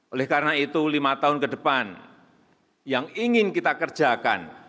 oleh karena itu lima tahun ke depan yang ingin kita kerjakan